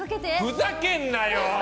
ふざけんなよ！